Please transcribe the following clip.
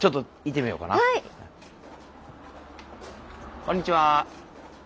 こんにちは。